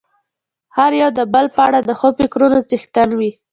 هر يو د بل په اړه د ښو فکرونو څښتن وي.